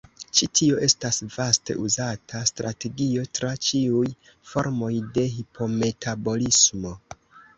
Ĉi tio estas vaste uzata strategio tra ĉiuj formoj de hipometabolismo.